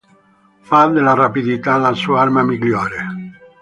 Fa della rapidità la sua arma migliore.